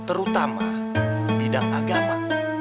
terutama bidang agama